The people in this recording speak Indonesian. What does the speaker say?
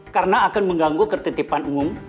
karena akan mengganggu ketentipan umum